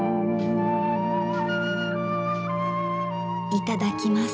いただきます。